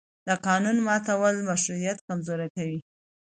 د قانون ماتول مشروعیت کمزوری کوي